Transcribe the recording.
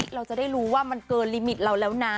เราจะได้รู้ว่ามันเกินลิมิตเราแล้วนะ